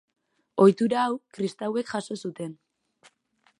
Ohitura hau kristauek jaso zuten.